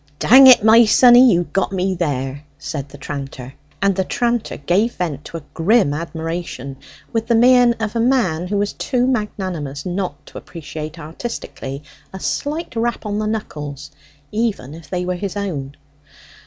"Dang it, my sonny, thou'st got me there!" And the tranter gave vent to a grim admiration, with the mien of a man who was too magnanimous not to appreciate artistically a slight rap on the knuckles, even if they were his own.